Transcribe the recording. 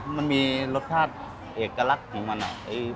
มันมีรสชาติเอกลักษณ์ของมัน